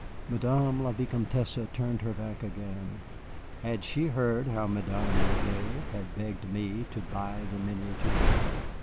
Madame la Vicomtesse turned her back again. Had she heard how Madame Bouvet had begged me to buy the miniature?